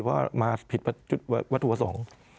เพราะมาผิดวัตถุวส่ง